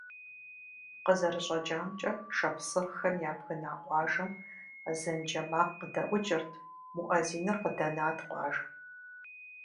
КъызэрыщӀэкӀамкӀэ, шапсыгъхэм ябгына къуажэм азэн джэ макъ къыдэӀукӀырт – муӀэзиныр къыдэнат къуажэм.